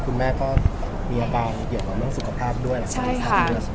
คุณแม่ก็มีอาการเกี่ยวกับเรื่องสุขภาพด้วยนะครับ